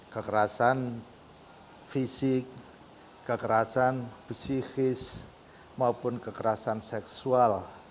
kekerasan fisik kekerasan psikis maupun kekerasan seksual